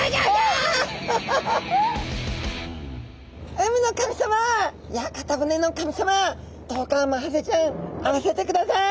海の神さま屋形船の神さまどうかマハゼちゃん会わせてください！